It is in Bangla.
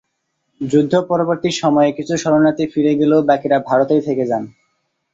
যুদ্ধ পরবর্তী সময়ে কিছু শরণার্থী ফিরে গেলেও বাকিরা ভারতেই থেকে যান।